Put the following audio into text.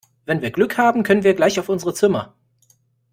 Wenn wir Glück haben können wir gleich auf unsere Zimmer.